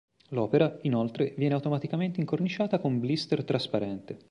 L'opera, inoltre, viene automaticamente incorniciata con blister trasparente.